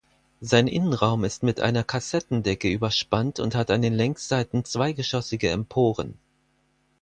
Sein Innenraum ist mit einer Kassettendecke überspannt und hat an den Längsseiten zweigeschossige Emporen.